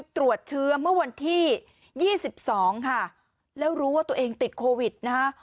ตรวจเชื้อเมื่อวันที่๒๒ค่ะแล้วรู้ว่าตัวเองติดโควิดนะคะ